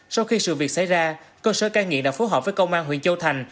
sau khi sự việc xảy ra cơ sở cai nghiện đã phối hợp với công an huyện châu thành